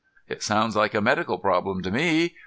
"It sounds like a medical problem to me.